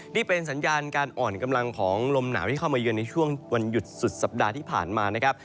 นี่เป็นสัญญาณการอ่อนกำลังของลมหนาวที่เข้ามาเยือนในช่วงวันหยุดสุดสัปดาห์ที่ผ่านมานะครับ